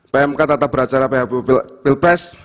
pmk tetap beracara phpu pilpres